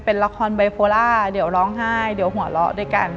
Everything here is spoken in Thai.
เป็นละครบาร์ฟอล่าเดี๋ยวร้องไห้เด๋ยวหัวโละด้วยกัน